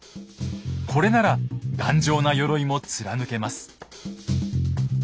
これなら頑丈なよろいも貫けます。